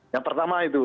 ya pertama itu